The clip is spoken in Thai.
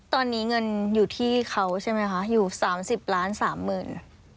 ตอนนี้เงินอยู่ที่เขาใช่ไหมคะอยู่๓๐ล้านสามหมื่น